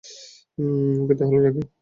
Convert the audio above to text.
ওকে তাহলে রাখি।